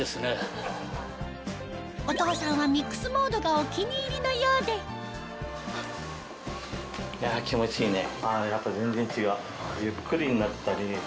お父さんはミックスモードがお気に入りのようでいや気持ちいいね。